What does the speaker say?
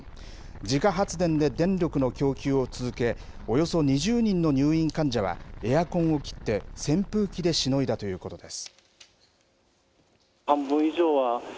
自家発電で電力の供給を続け、およそ２０人の入院患者はエアコンを切って、扇風機でしのいだということです。